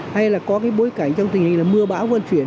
hay là có cái bối cảnh trong tình hình là mưa bão vận chuyển